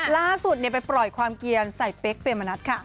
ล่าสุดไปปล่อยความเกียรใส่เป๊กเมมะนัดค่ะ